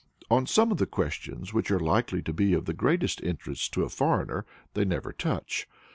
On some of the questions which are likely to be of the greatest interest to a foreigner they never touch.